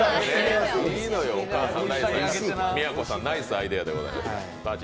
みや子さんナイスアイデアでございました。